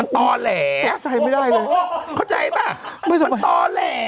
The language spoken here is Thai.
เธอไหมตาแหลตอแหล